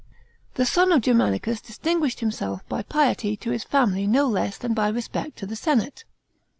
The son of Germanicus distinguished himself by piety to his family no less than by respect to the senate.